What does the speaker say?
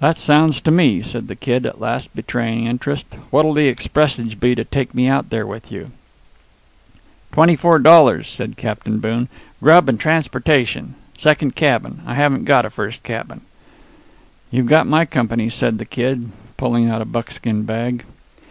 "That sounds to me!" said the Kid, at last betraying interest. "What'll the expressage be to take me out there with you?" "Twenty four dollars," said Captain Boone; "grub and transportation. Second cabin. I haven't got a first cabin." "You've got my company," said the Kid, pulling out a buckskin bag.